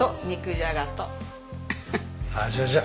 あじゃじゃ！